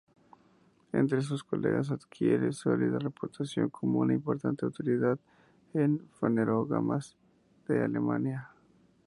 Entre sus colegas adquiere sólida reputación como una importante autoridad en fanerógamas de Alemania.